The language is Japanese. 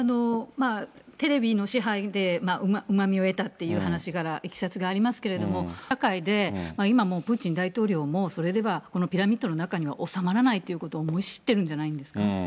まあ、テレビの支配でうまみを得たって話からいきさつがありますけれども、もう今や情報化社会で、今もう、プーチン大統領もそれではこのピラミッドの中には収まらないということを思い知ってるんじゃないですか。